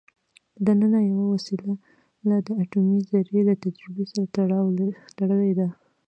دننه یوه وسیله د اټومي ذرې له تجزیې سره تړلې ده.